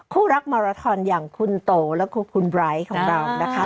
คู่รักมาราทอนอย่างคุณโตและคุณไบร์ทของเรานะคะ